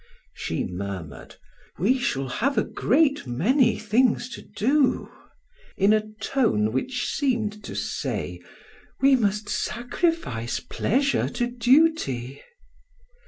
She murmured: "We shall have a great many things to do!" in a tone which seemed to say: "We must sacrifice pleasure to duty."